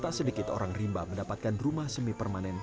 tak sedikit orang rimba mendapatkan rumah semi permanen